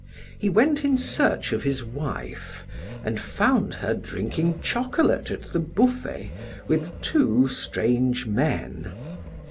He went in search of his wife, and found her drinking chocolate at the buffet with two strange men.